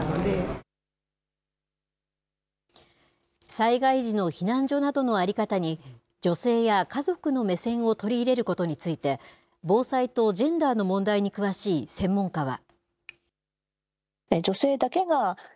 災害時の避難所などの在り方に、女性や家族の目線を取り入れることについて、防災とジェンダーの問題に詳しい専門家は。